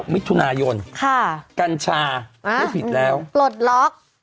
มิถุนายนกัญชาไม่ผิดแล้วปลดล็อก